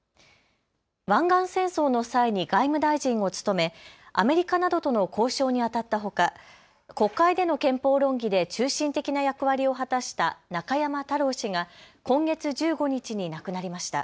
湾岸戦争の際に外務大臣を務めアメリカなどとの交渉にあたったほか国会での憲法論議で中心的な役割を果たした中山太郎氏が今月１５日に亡くなりました。